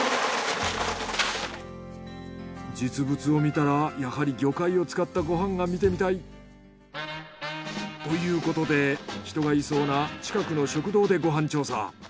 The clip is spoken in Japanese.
実物を見たらやはり魚介を使ったご飯が見てみたい。ということで人がいそうな近くの食堂でご飯調査。